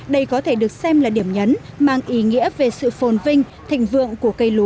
đây có thể được xem là điểm nhấn mang ý nghĩa về sự phồn vinh thịnh vượng của các nông nghiệp